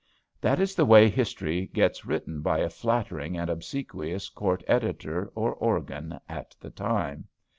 That is the way history gets written by a flattering and obsequious court editor or organ at the time.